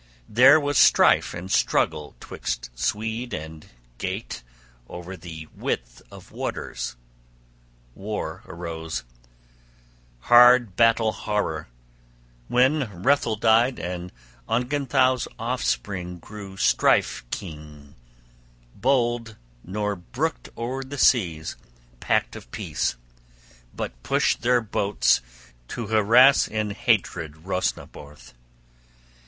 There was strife and struggle 'twixt Swede and Geat o'er the width of waters; war arose, hard battle horror, when Hrethel died, and Ongentheow's offspring grew strife keen, bold, nor brooked o'er the seas pact of peace, but pushed their hosts to harass in hatred by Hreosnabeorh.